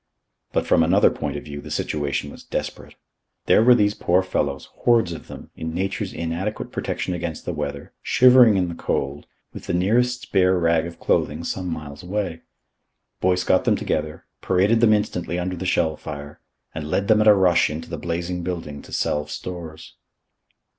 But from another point of view the situation was desperate. There were these poor fellows, hordes of them, in nature's inadequate protection against the weather, shivering in the cold, with the nearest spare rag of clothing some miles away. Boyce got them together, paraded them instantly under the shell fire, and led them at a rush into the blazing building to salve stores.